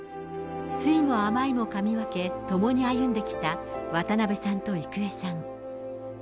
酸いも甘いもかみ分け、ともに歩んできた渡辺さんと郁恵さん。